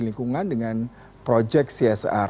lingkungan dengan proyek csr